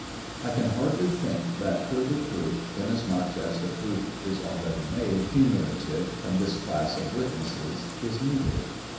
I can hardly think that further proof, inasmuch as thej proof is already made cumulative, from this class of witnesses is needed.